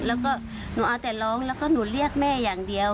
แล้วก็หนูเอาแต่ร้องแล้วก็หนูเรียกแม่อย่างเดียว